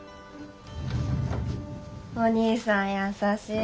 お兄さん優しい。